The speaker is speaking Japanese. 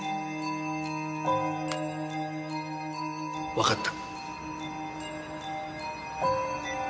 わかった。